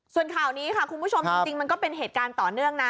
ส่วนข่าวนี้ค่ะคุณผู้ชมจริงมันก็เป็นเหตุการณ์ต่อเนื่องนะ